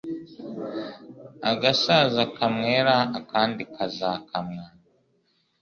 agasaza kamwera akandi kazakamwa